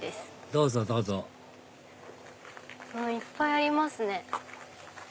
どうぞどうぞいっぱいありますね。